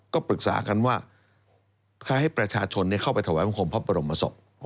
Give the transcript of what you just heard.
ก็ปรึกษากันว่าคล้ายให้ประชาชนเข้าไปถวายบังคมพระบรมศพ